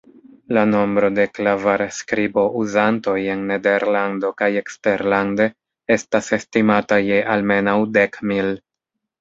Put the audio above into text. La nombro de Klavarskribo-uzantoj en Nederlando kaj eksterlande estas estimata je almenaŭ dek mil.